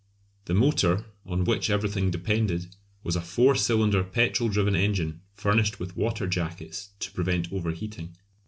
The motor, on which everything depended, was a four cylinder petrol driven engine, furnished with "water jackets" to prevent over heating.